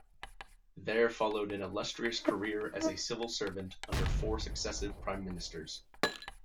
There followed an illustrious career as a civil servant under four successive Prime Ministers.